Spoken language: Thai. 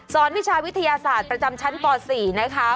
วิชาวิทยาศาสตร์ประจำชั้นป๔นะคะ